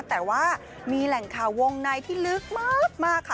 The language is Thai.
แต่ว่ามีแหล่งข่าววงในที่ลึกมากค่ะ